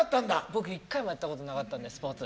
僕一回もやったことなかったんでスポーツ。